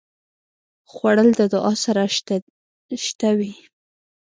خوړل د دعا سره شته وي